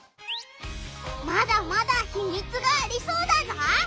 まだまだひみつがありそうだぞ！